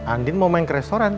andin mau main ke restoran